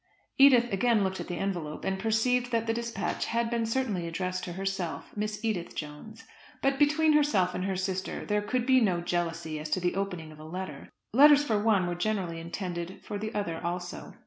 Edith again looked at the envelope and perceived that the despatch had been certainly addressed to herself Miss Edith Jones; but between herself and her sister there could be no jealousy as to the opening of a letter. Letters for one were generally intended for the other also.